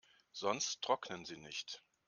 Sonst trocknen sie nicht.